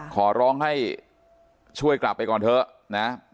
ขอร้องให้ช่วยกลับไปก่อนเถอะนะ